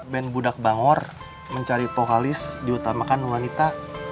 band budak bangor mencari pohalis diutamakan wanita